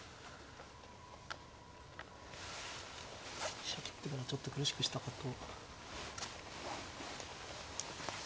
飛車切ってからちょっと苦しくしたかと。